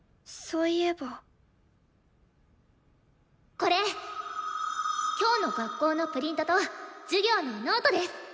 これ今日の学校のプリントと授業のノートです。